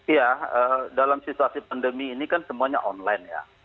iya dalam situasi pandemi ini kan semuanya online ya